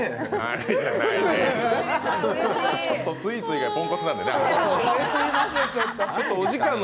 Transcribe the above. ちょっとスイーツ以外ポンコツなんでね、田辺さん。